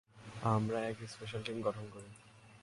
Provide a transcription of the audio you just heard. আমরা এক special team গঠন করি।